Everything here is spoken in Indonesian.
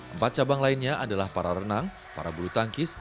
empat cabang lainnya adalah para renang para bulu tangkis